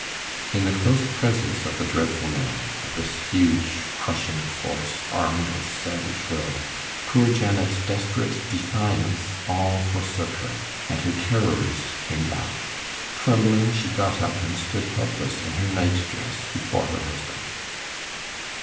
In the close presence of the dreadful man of this huge crushing force, armed with savage will poor Janet's desperate defiance all forsook her, and her terrors came back. Trembling she got up, and stood helpless in her night dress before her husband.